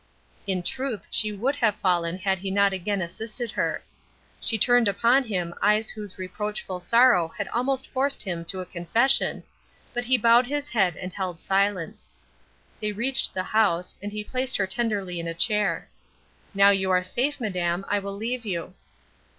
In truth she would have fallen had he not again assisted her. She turned upon him eyes whose reproachful sorrow had almost forced him to a confession, but he bowed his head and held silence. They reached the house, and he placed her tenderly in a chair. "Now you are safe, madam, I will leave you."